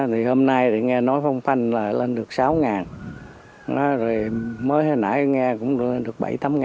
thì hôm nay thì nghe nói phong phanh là lên được sáu rồi mới hồi nãy nghe cũng lên được bảy tám